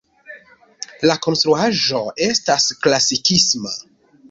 La konstruaĵo estas klasikisma.